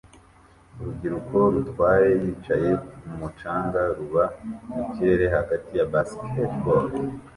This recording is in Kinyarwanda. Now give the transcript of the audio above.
Urubyiruko rutwara yicaye kumu canga ruba mu kirere hagati ya basketball